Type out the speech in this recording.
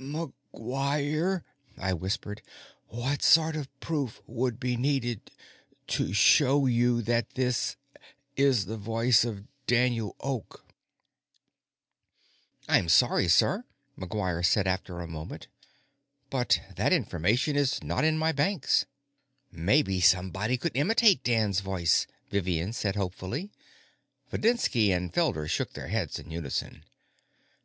"McGuire," I whispered, "what sort of proof would be needed to show you that this is the voice of Daniel Oak?" "I'm sorry, sir," McGuire said after a moment, "but that information is not in my banks." "Maybe somebody could imitate Dan's voice," Vivian said hopefully. Videnski and Felder shook their heads in unison.